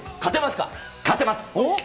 勝てます。